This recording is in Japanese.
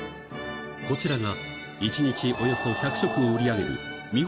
こちらが一日およそ１００食を売り上げる味